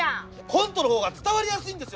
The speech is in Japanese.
コントの方が伝わりやすいんですよ！